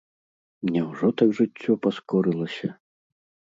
Няўжо так жыццё паскорылася?